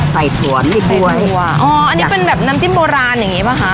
ใส่ถั่วนี่บว๋ยอ๋อเย็นตัวอ๋ออันนี้เป็นน้ำจิ้มโบราณอย่างงี้มั้ยคะ